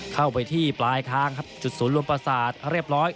เข้าไปที่ปลายทางครับจุดศูนย์รวมประสาทเรียบร้อย